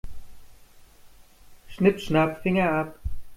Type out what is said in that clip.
Schnipp-schnapp, Finger ab.